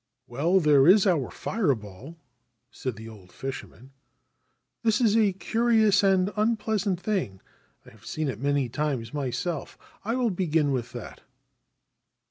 * Well, there is our Fire Ball,' said the old fisherman. 1 That is a curious and unpleasant thing. I have seen it many times myself. I will begin with that.'